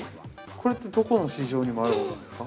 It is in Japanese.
これって、どこの市場にもあるものですか。